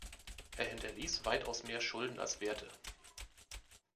Er hinterließ weitaus mehr Schulden als Werte.